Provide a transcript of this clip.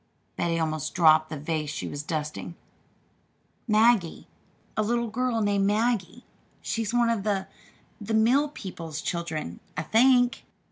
Betty almost dropped the vase she was dusting. "'Maggie,' a little girl named 'Maggie.' She's one of the the mill people's children, I think."